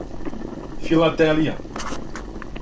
филателија